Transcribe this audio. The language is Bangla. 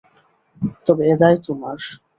তবে এ দায় তোমার।